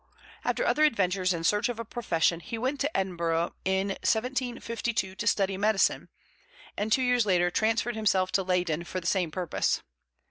After other adventures in search of a profession, he went to Edinburgh in 1752 to study medicine, and two years later transferred himself to Leyden for the same purpose.